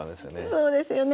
そうですよね。